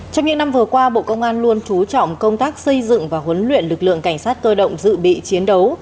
trong những năm vừa qua bộ công an luôn trú trọng công tác xây dựng và huấn luyện lực lượng cảnh sát cơ động dự bị chiến đấu